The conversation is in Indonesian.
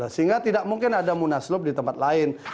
sehingga tidak mungkin ada munaslup di tempat lain